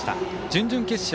準々決勝